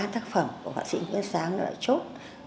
ba tác phẩm của hoa sĩ nguyễn sáng đã chốt